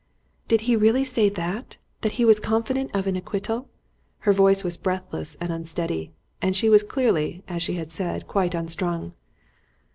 "Did he really say that that he was confident of an acquittal?" Her voice was breathless and unsteady, and she was clearly, as she had said, quite unstrung.